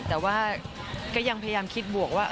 แต่ว่าก็ยังพยายามคิดบวกว่า